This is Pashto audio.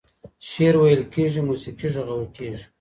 شعر ويل کېږي، موسيقي غږول کېږي.